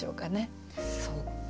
そっか